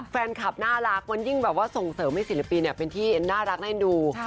แฟนคลับน่ารักมันยิ่งแบบว่าส่งเสริมให้ศิลปินเป็นที่น่ารักน่าเอ็นดู